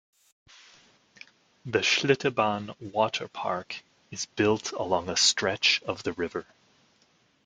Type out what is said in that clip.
The Schlitterbahn Water Park is built along a stretch of the river.